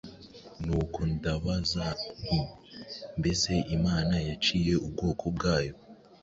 Nuko ndabaza nti ‘Mbese Imana yaciye ubwoko bwayo?’